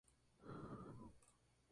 La isla más cercana es un isla rocosa.